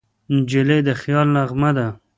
نجلۍ د خیال نغمه ده.